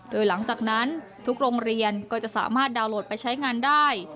โดยหลังจากนั้นทุกโรงเรียนก็จะสามารถดาวน์โหลดไปใช้งานได้